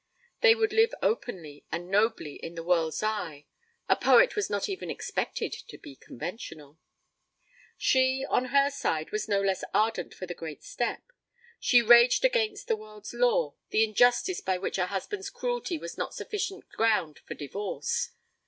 They would live openly and nobly in the world's eye. A poet was not even expected to be conventional. She, on her side, was no less ardent for the great step. She raged against the world's law, the injustice by which a husband's cruelty was not sufficient ground for divorce.